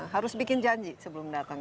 harus bikin janji sebelum datang